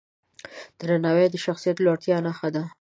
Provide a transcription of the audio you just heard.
درناوی د شخصیت د لوړوالي نښه ده.